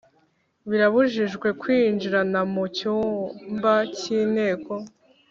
Birabujijwe kwinjirana mu cyumba cy Inteko